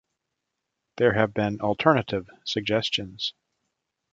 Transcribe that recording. There have been alternative suggestions.